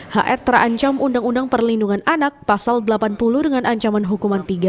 hr terancam undang undang perlindungan anak pasal delapan puluh dengan ancaman hukuman tiga